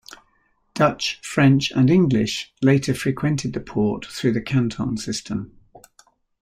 Dutch, French, and English later frequented the port through the Canton System.